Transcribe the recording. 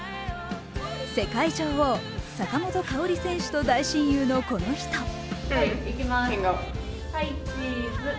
世界女王・坂本花織選手と大親友のこの人。